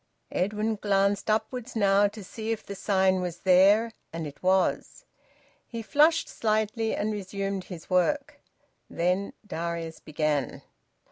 Edwin glanced upwards now to see if the sign was there, and it was. He flushed slightly and resumed his work. Then Darius began.